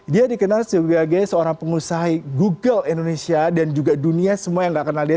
dia dikenal sebagai seorang pengusaha google indonesia dan juga dunia semua yang gak kenal dia